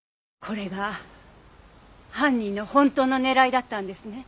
これが犯人の本当の狙いだったんですね。